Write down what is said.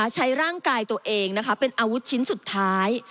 ใช้ร่างกายตัวเองเป็นอาวุธชิ้นสุดท้าย